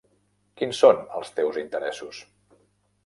Quins són els teus interessos?